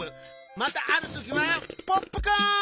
またあるときはポップコーン！